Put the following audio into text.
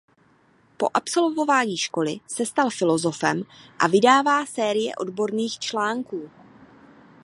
Po absolvování školy se stal filosofem a vydával série odborných článků.